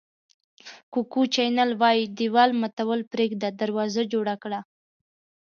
کوکو چینل وایي دېوال ماتول پرېږده دروازه جوړه کړه.